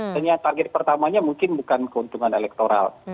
hanya target pertamanya mungkin bukan keuntungan elektoral